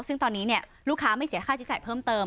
ซึ่งตอนนี้ลูกค้าไม่เสียค่าใช้จ่ายเพิ่มเติม